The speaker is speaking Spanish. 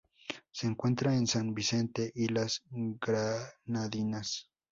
Se encuentra en San Vicente y las Granadinas.